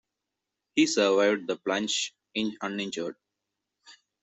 He survived the plunge uninjured.